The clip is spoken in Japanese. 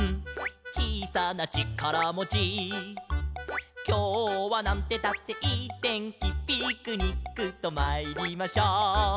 「ちいさなちからもち」「きょうはなんてったっていいてんき」「ピクニックとまいりましょう」